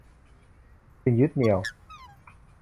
สิ่งยึดเหนี่ยว